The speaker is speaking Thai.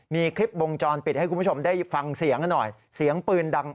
มีคลิปวงจรปิดให้คุณผู้ชมได้ฟังเสียงกันหน่อยเสียงปืนดัง